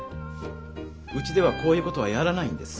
うちではこういうことはやらないんです。